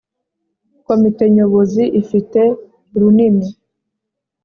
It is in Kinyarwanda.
komite nyobozi ifite runini.